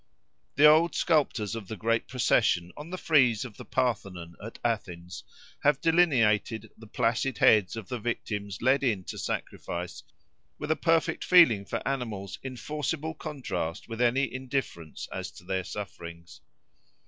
The old sculptors of the great procession on the frieze of the Parthenon at Athens, have delineated the placid heads of the victims led in it to sacrifice, with a perfect feeling for animals in forcible contrast with any indifference as to their sufferings.